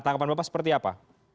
tanggapan bapak seperti apa